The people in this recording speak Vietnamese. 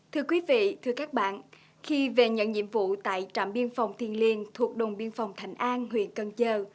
thưa quý vị thưa các bạn khi về nhận nhiệm vụ tại trạm biên phòng thiên liên thuộc đồng biên phòng thành an huyện cân dơ